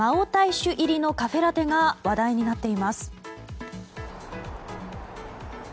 酒入りのカフェラテが話題になっています。